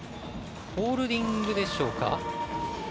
ホールディングでしょうか。